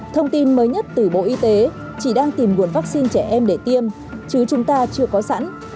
thông tin mới nhất từ bộ y tế chỉ đang tìm nguồn vaccine trẻ em để tiêm chứ chúng ta chưa có sẵn